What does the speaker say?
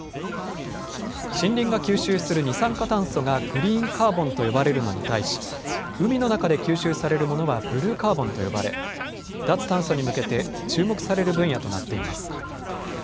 森林が吸収する二酸化炭素がグリーンカーボンと呼ばれるのに対し、海の中で吸収されるものはブルーカーボンと呼ばれ脱炭素に向けて注目される分野となっています。